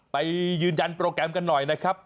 ไปยืนยันโปรแกรมกันหน่อยนะครับ